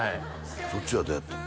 そっちはどうやったん？